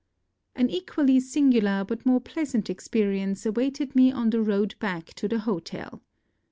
An equally singular but more pleasant ex perience awaited me on the road back to the hotel.